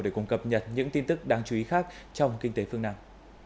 để cùng cập nhật những tin tức đáng chú ý khác trong kinh tế phương nam